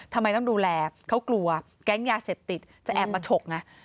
ทำไมต้องดูแลเขากลัวแก๊งยาเสพติดจะแอบมาฉกไง